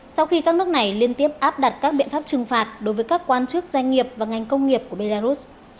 sau khi các nước này liên tiếp áp đặt các biện pháp trừng phạt đối với các quan chức doanh nghiệp và ngành công nghiệp của belarus